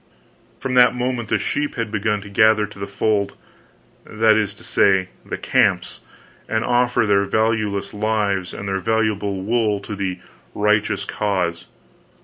From that moment the sheep had begun to gather to the fold that is to say, the camps and offer their valueless lives and their valuable wool to the "righteous cause."